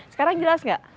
sekarang jelas gak